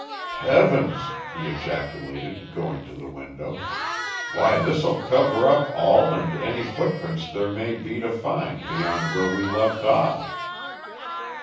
"Heavens!" he ejaculated, going to the window. "Why, this'll cover up all and any footprints there may be to find beyond where we left off."